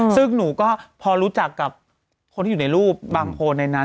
ซึ่งหนูก็พอรู้จักกับคนที่อยู่ในรูปบางคนในนั้น